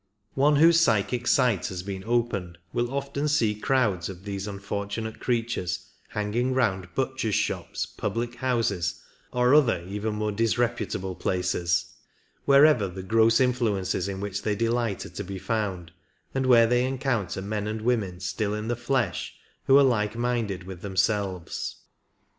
One whose psychic sight has been opened will often see crowds of these unfortunate creatures hanging round butchers' shops, public houses, or other even more disre putable places — wherever the gross influences in which they delight are to be found, and where they encounter men and women still in the flesh who are like minded with themselves.